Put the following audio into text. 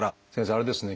あれですね